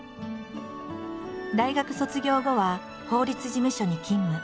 大学卒業後は法律事務所に勤務。